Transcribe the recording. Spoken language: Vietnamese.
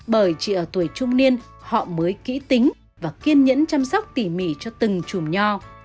bởi chỉ ở tuổi trung niên họ mới kỹ tính và kiên nhẫn chăm sóc tỉ mỉ cho từng chùm nho